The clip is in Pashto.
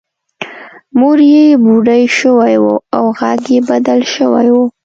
مور یې بوډۍ شوې وه او غږ یې بدل شوی و